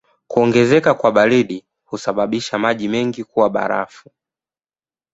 Kuongezeka kwa baridi husababisha maji mengi kuwa barafu.